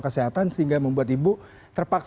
kesehatan sehingga membuat ibu terpaksa